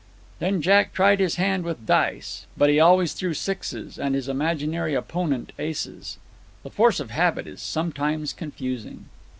Then Jack tried his hand with dice; but he always threw sixes, and his imaginary opponent aces. The force of habit is sometimes confusing.